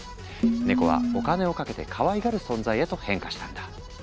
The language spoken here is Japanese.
ネコはお金をかけてかわいがる存在へと変化したんだ。